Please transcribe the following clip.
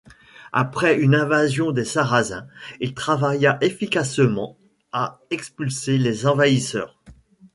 Après une invasion des Sarrasins, il travailla efficacement à expulser les envahisseurs.